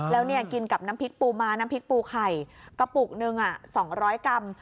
แล้วเนี่ยกินกับน้ำพริกปูม้าน้ำพริกปูไข่กระปุกหนึ่ง๒๐๐กรัม